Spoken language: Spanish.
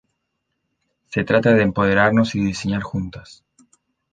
se trata de empoderarnos y diseñar juntas